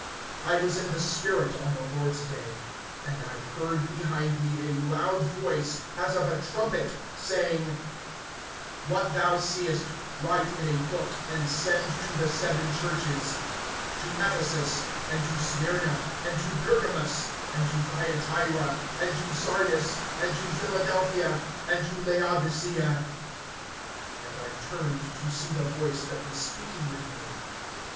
(10)I was in the Spirit on the Lord's day; and I heard behind me a loud voice, as of a trumpet, (11)saying: What thou seest, write in a book, and send to the seven churches; to Ephesus, and to Smyrna, and to Pergamus, and to Thyatira, and to Sardis, and to Philadelphia, and to Laodicea. (12)And I turned to see the voice that was speaking with me.